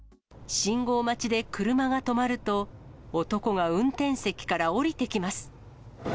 信号待ちで車が止まると、男が運転席から降りてきます。